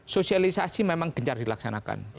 sosialisasi memang gencar dilaksanakan